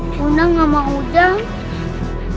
gunam gak mau jalan